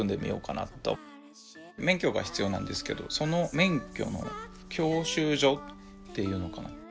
免許が必要なんですけどその免許の教習所っていうのかな